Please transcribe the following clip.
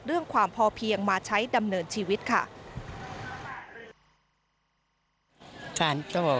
เรื่องความพอเพียงมาใช้ดำเนินชีวิตค่ะ